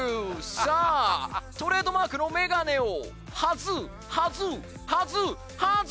さぁトレードマークのメガネをはずはずはずはず。